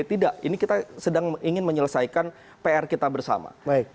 tidak ini kita sedang ingin menyelesaikan pr kita bersama